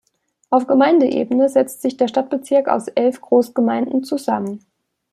Auf Gemeindeebene setzt sich der Stadtbezirk aus elf Großgemeinden zusammen.